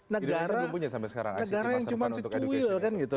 negara yang cuman secuil kan gitu